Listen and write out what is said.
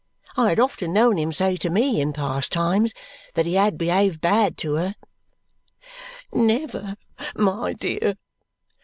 I had often known him say to me, in past times, that he had behaved bad to her." "Never, my dear!"